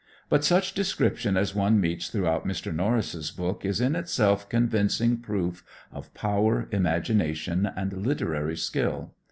But such description as one meets throughout Mr. Norris' book is in itself convincing proof of power, imagination and literary skill.